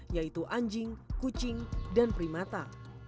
yaitu anjing kucing dan primata